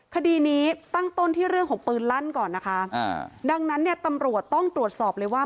คดีนี้ตั้งต้นที่เรื่องของปืนลั่นก่อนนะคะอ่าดังนั้นเนี่ยตำรวจต้องตรวจสอบเลยว่า